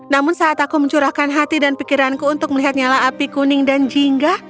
namun saat aku mencurahkan hati dan pikiranku untuk melihat nyala api kuning dan jingga